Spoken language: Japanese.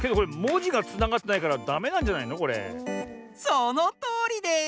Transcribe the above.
そのとおりです！